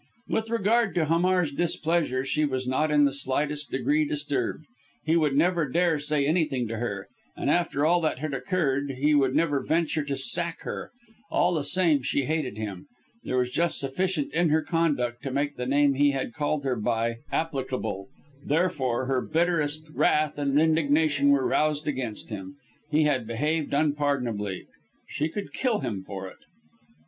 With regard to Hamar's displeasure, she was not in the slightest degree disturbed. He would never dare say anything to her. And after all that had occurred he would never venture to "sack her." All the same she hated him. There was just sufficient in her conduct to make the name he had called her by applicable therefore her bitterest wrath and indignation were aroused against him. He had behaved unpardonably. She could kill him for it.